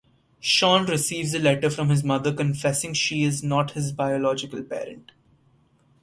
Shawn receives a letter from his mother, confessing she is not his biological parent.